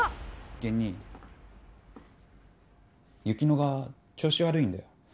玄兄雪乃が調子悪いんだよ。